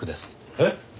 えっ？